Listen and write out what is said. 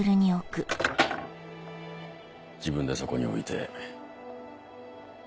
自分でそこに置いて。